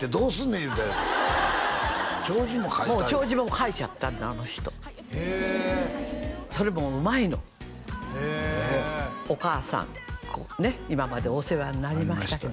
言うて弔辞も書いた弔辞も書いちゃったんであの人へえそれもうまいのへえ「お母さん今までお世話になりましたけど」